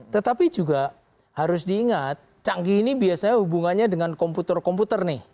tetapi juga harus diingat canggih ini biasanya hubungannya dengan komputer komputer nih